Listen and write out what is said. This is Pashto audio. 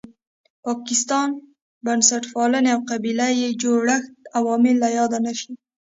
پاکستان، بنسټپالنې او قبیله یي جوړښت عوامل له یاده نه شي.